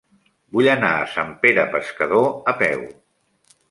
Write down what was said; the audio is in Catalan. Vull anar a Sant Pere Pescador a peu.